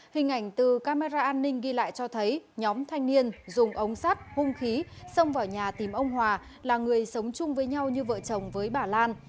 hình ảnh từ camera an ninh ghi lại cho thấy nhóm thanh niên dùng ống sắt hung khí xông vào nhà tìm ông hòa là người sống chung với nhau như vợ chồng với bà lan